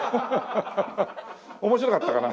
面白かったかな？